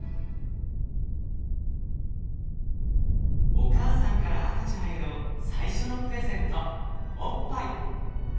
お母さんから赤ちゃんへの最初のプレゼントおっぱい。